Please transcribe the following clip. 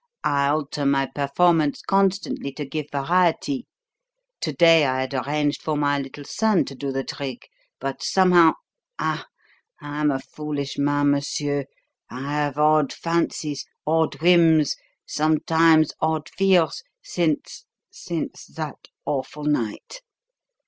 I alter my performance constantly to give variety. To day I had arranged for my little son to do the trick; but somehow Ah! I am a foolish man, monsieur; I have odd fancies, odd whims, sometimes odd fears, since since that awful night.